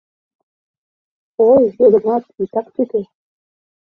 — Ой, Йыгнат, итак тӱкӧ!..